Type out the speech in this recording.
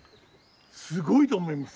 すごいと思います。